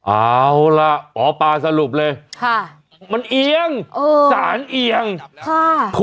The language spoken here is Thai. เอาล่ะหมอปลาสรุปเลยค่ะมันเอียงสารเอียงค่ะ